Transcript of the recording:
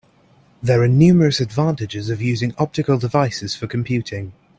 There are numerous advantages of using optical devices for computing.